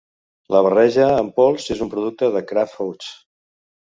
La barreja en pols és un producte de Kraft Foods.